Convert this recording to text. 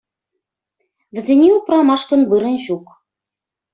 Вӗсене упрамашкӑн вырӑн ҫук.